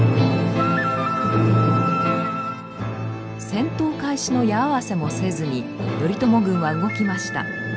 戦闘開始の矢合わせもせずに頼朝軍は動きました。